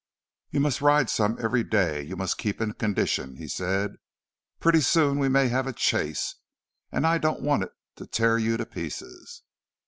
"You must ride some every day. You must keep in condition," he said. "Pretty soon we may have a chase, and I don't want it to tear you to pieces."